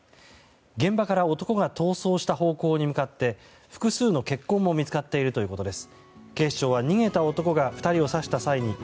現場から男が逃走した方向に向かって複数の血痕も見つかっているということです。